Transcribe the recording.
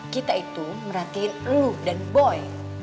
kita itu merhatiin lu dan boy